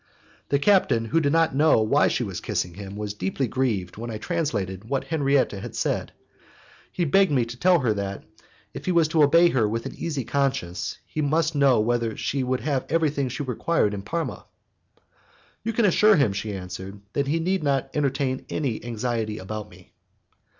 The captain, who did not know why she was kissing him, was deeply grieved when I translated what Henriette had said. He begged me to tell her that, if he was to obey her with an easy conscience, he must know whether she would have everything she required in Parma. "You can assure him," she answered, "that he need not entertain any anxiety about me."